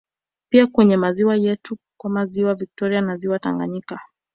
Pia kwenye maziwa yetu kama Ziwa viktoria na ziwa Tanganyika